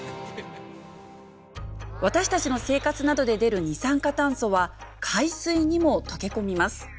私たちの生活などで出る二酸化炭素は海水にも溶け込みます。